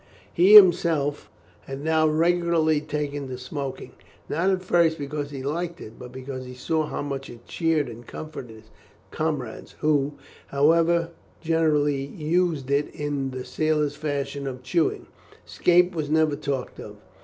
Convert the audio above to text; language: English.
He himself had now regularly taken to smoking; not at first because he liked it, but because he saw how much it cheered and comforted his comrades, who, however, generally used it in the sailor fashion of chewing. Escape was never talked of.